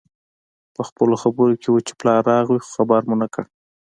پخپلو خبرو کې وو چې پلار راغی خو خبر مو نه کړ